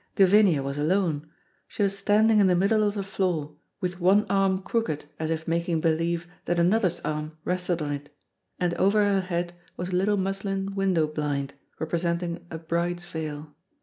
Gavinia was alone. She was standing in the middle of the floor, with one arm crooked as if making believe that another's arm rested on it, and over her head was a little muslin window blind, representing a bride's veil.